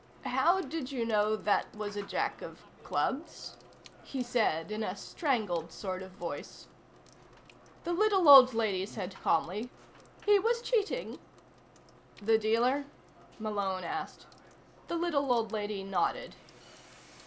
"How did you know that was a Jack of clubs?" he said in a strangled sort of voice. The little old lady said calmly: "He was cheating." "The dealer?" Malone asked. The little old lady nodded.